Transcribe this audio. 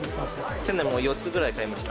「去年も４つぐらい買いました」